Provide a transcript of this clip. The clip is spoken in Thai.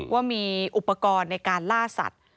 ว่ามีอุปกรณ์ในการล่าสัตว์